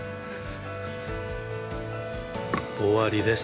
終わりです。